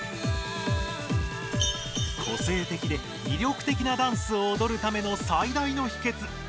個性的でみりょく的なダンスをおどるための最大の秘けつ。